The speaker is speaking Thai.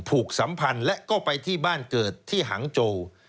สัมพันธ์และก็ไปที่บ้านเกิดที่หังโจ